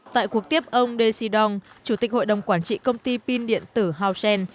tại cuộc tiếp ông desi dong chủ tịch hội đồng quản trị công ty pin điện tử hao shen